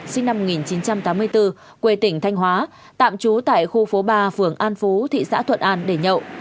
sinh năm một nghìn chín trăm tám mươi bốn quê tỉnh thanh hóa tạm trú tại khu phố ba phường an phú thị xã thuận an để nhậu